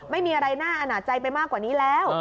ไม่มีอะไรน่าอนาจใจไปมากกว่านี้แล้ว